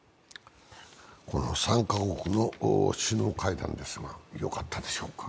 この３か国の首脳会談ですがよかったでしょうか？